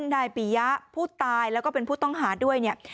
นายปียะผู้ตายแล้วก็เป็นผู้ต้องหาด้วยเนี่ย